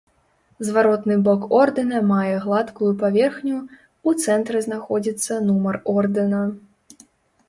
Зваротны бок ордэна мае гладкую паверхню, у цэнтры знаходзіцца нумар ордэна.